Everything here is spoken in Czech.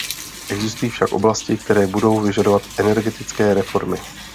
Existují však oblasti, které budou vyžadovat energické reformy.